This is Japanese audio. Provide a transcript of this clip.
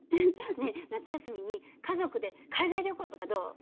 ねえ夏休みに家族で海外旅行とかどう？